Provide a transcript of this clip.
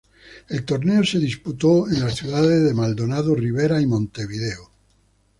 El torneo se disputó en las ciudades de Maldonado, Rivera y Montevideo.